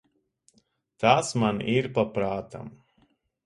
Tas man ir pa prātam.